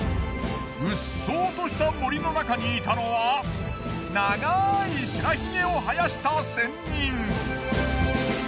うっそうとした森の中にいたのは長い白ヒゲを生やした仙人。